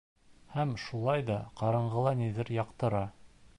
Һәм шулай ҙа ҡаранғыла ниҙер яҡтыра...